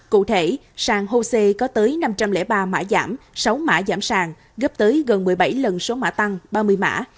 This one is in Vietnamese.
cụ thể sàn hose có tới năm trăm linh ba mã giảm sáu mã giảm sàng gấp tới gần một mươi bảy lần số mã tăng ba mươi mã